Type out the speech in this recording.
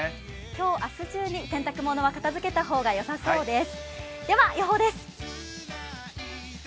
今日、明日中に洗濯物は片づけた方がよさそうです。